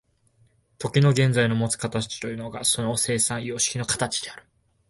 時の現在のもつ形というのがその生産様式の形である。